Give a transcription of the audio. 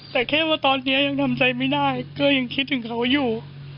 แต่แค่ว่าตอนนี้ยังทำใจไม่ได้ก็ยังคิดถึงเขาอยู่